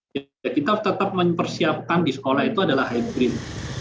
ya kita tetap mempersiapkan di sekolah itu adalah hybrid